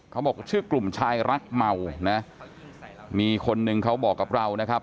เขาบอกชื่อกลุ่มชายรักเมานะมีคนหนึ่งเขาบอกกับเรานะครับ